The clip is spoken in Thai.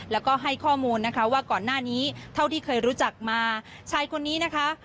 แล้วก็ให้ข้อมูลนะคะว่าก่อนหน้านี้เท่าที่เคยรู้จักมาชายคนนี้นะคะ